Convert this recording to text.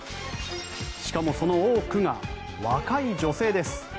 しかもその多くが若い女性です。